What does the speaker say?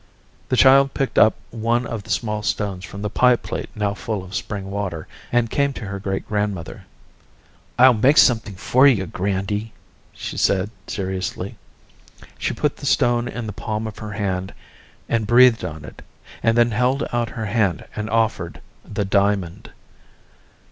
The child picked up one of the small stones from the pie plate now full of spring water, and came to her great grandmother. "I'll make something for you, Grandy," she said seriously. She put the stone in the palm of her hand, and breathed on it, and then held out her hand and offered the diamond.